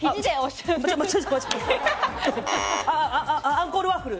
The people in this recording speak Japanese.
アンコールワッフル。